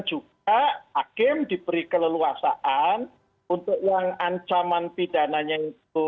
juga hakim diberi keleluasaan untuk yang ancaman pidananya itu